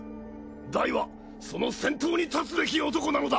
ダイはその先頭に立つべき男なのだ。